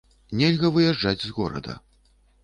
Нельга выязджаць з горада.